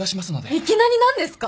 いきなり何ですか！？